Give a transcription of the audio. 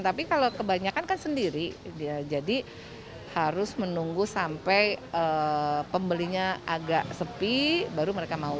tapi kalau kebanyakan kan sendiri jadi harus menunggu sampai pembelinya agak sepi baru mereka mau